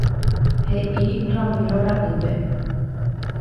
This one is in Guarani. He'i Ramiro ra'ýpe.